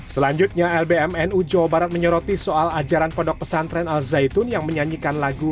selanjutnya lbmnu jawa barat menyoroti soal ajaran pondok pesantren al zaitun yang menyanyikan lagu